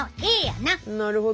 なるほど。